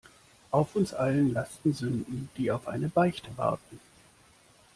Auf uns allen lasten Sünden, die auf eine Beichte warten.